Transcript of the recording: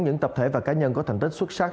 những tập thể và cá nhân có thành tích xuất sắc